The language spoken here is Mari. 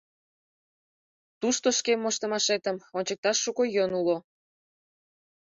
Тушто шке моштымашетым ончыкташ шуко йӧн уло.